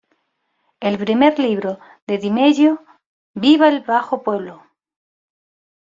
El primer libro de Di Meglio, "¡Viva el bajo pueblo!